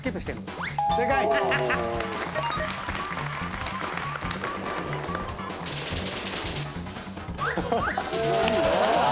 すごい！